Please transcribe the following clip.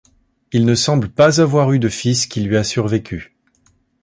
Il ne semble pas avoir eu de fils qui lui a survécu.